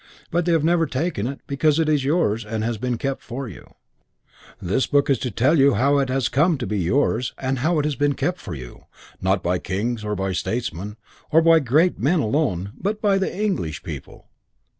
But they have never taken it, because it is yours and has been kept for you. This book is to tell you how it has come to be yours and how it has been kept for you, not by kings or by statesmen, or by great men alone, but by the English people.